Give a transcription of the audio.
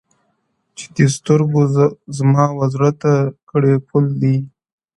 چي دې سترگو زما و زړه ته کړی پول دی’